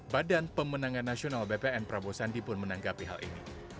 badan pemenangan nasional bpn prabowo sandi pun menanggapi hal ini